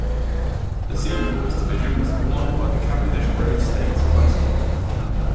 The Senior Boys division was won by Cavendish Road State High School.